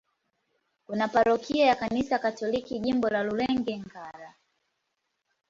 Kuna parokia ya Kanisa Katoliki, Jimbo la Rulenge-Ngara.